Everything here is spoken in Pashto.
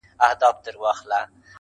o که هر څه وږی يم، سږي نه خورم!